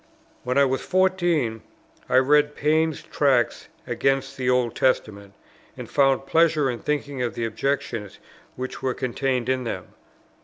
When I was fourteen, I read Paine's Tracts against the Old Testament, and found pleasure in thinking of the objections which were contained in them.